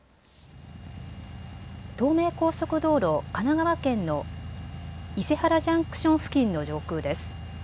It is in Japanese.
東名高速道路、神奈川県の伊勢原ジャンクション付近の上空です。